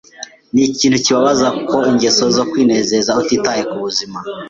Ni ikintu kibabaza ko ingeso zo kwinezeza utitaye ku buzima